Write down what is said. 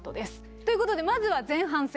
ということでまずは前半戦。